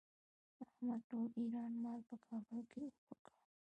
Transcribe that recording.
احمد ټول ايران مال په کابل کې اوبه کړ.